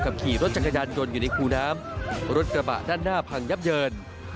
ขี่รถจักรยานยนต์อยู่ในคูน้ำรถกระบะด้านหน้าพังยับเยิน